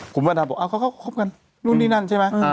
คุณพระดำบอกเขาคบกันนู่นนี่นั่นใช่ไหม